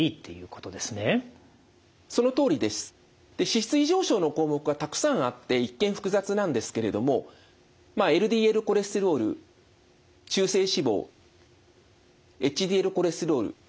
脂質異常症の項目がたくさんあって一見複雑なんですけれどもＬＤＬコレステロール中性脂肪ＨＤＬコレステロール